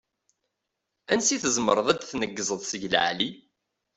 Ansi tzemreḍ ad d-tneggzeḍ seg leεli?